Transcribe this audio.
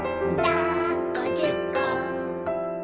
「だっこじゅっこ」